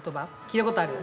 聞いたことある？